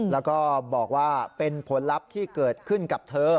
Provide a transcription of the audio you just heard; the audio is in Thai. แล้วก็บอกว่าเป็นผลลัพธ์ที่เกิดขึ้นกับเธอ